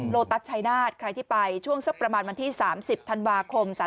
โลตัสชายนาฏใครที่ไปช่วงสักประมาณวันที่๓๐ธันวาคม